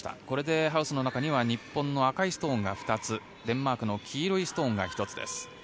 これでハウスの中には日本の赤いストーンが２つデンマークの黄色いストーンが１つです。